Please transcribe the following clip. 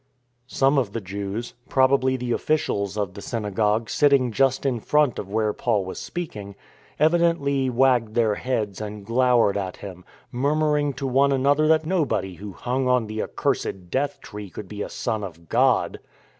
Some of the Jews — probably the officials of the synagogue sitting just in front of where Paul was speaking — evidently wagged their heads and glowered at him, murmuring to one another that nobody who hung on the accursed death tree could be a Son of God.